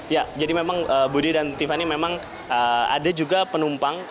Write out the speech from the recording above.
ya jadi memang budi dan tiffany memang ada juga penumpang